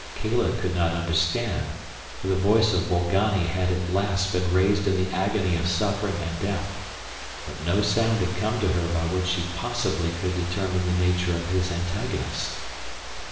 Kala could not understand, for the voice of Bolgani had at last been raised in the agony of suffering and death, but no sound had come to her by which she possibly could determine the nature of his antagonist.